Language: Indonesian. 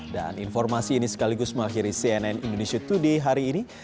dan informasi ini sekaligus mengakhiri cnn indonesia today hari ini